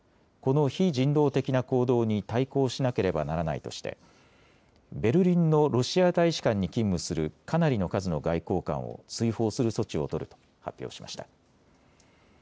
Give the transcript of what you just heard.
この非人道的な行動に対抗しなければならないとしてベルリンのロシア大使館に勤務するかなりの数の外交官を追放する措置を取ると発表しました。